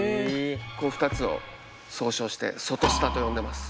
この２つを総称して外スタと呼んでます。